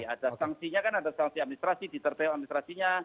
ada sanksinya kan ada sanksi administrasi ditertain administrasinya